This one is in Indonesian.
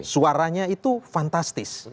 suaranya itu fantastis